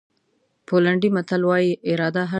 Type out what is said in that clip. پولنډي متل وایي اراده هر څه آسانه کوي.